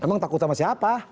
emang takut sama siapa